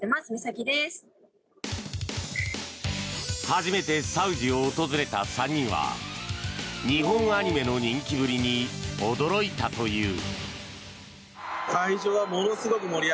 初めてサウジを訪れた３人は日本アニメの人気ぶりに驚いたという。